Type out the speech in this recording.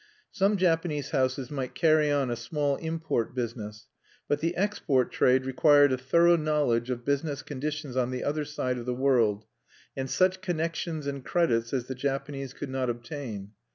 Some Japanese houses might carry on a small import business, but the export trade required a thorough knowledge of business conditions on the other side of the world, and such connections and credits as the Japanese could not obtain.